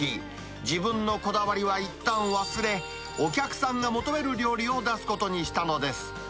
自分のこだわりはいったん忘れ、お客さんが求める料理を出すことにしたのです。